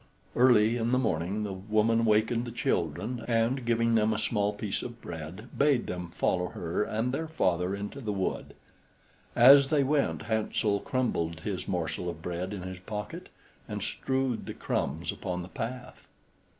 Early in the morning the woman wakened the children, and, giving them a small piece of bread, bade them follow her and their father into the wood. As they went, Hansel crumbled his morsel of bread in his pocket and strewed the crumbs upon the path.